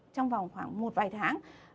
trong vòng khoảng một vài tháng